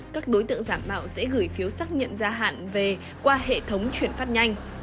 các đối tượng giả mạo sẽ gửi phiếu xác nhận gia hạn về qua hệ thống chuyển phát nhanh